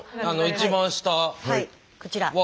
こちら。